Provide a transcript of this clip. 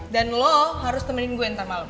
dan lo harus temenin gue nanti malam